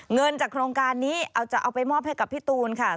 เงินจากโครงการนี้จะเอาไปมอบให้กับพี่ตูนค่ะ